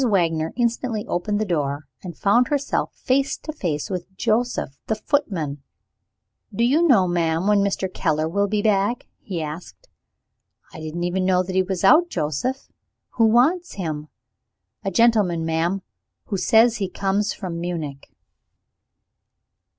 Wagner instantly opened the door, and found herself face to face with Joseph the footman. "Do you know, ma'am, when Mr. Keller will be back?" he asked. "I didn't even know that he was out, Joseph. Who wants him?" "A gentleman, ma'am, who says he comes from Munich."